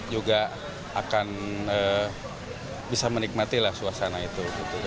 juga akan bisa menikmatilah suasana itu